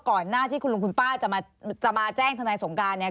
ก่อนหน้าที่คุณลุงคุณป้าจะมาแจ้งทนายสงการเนี่ย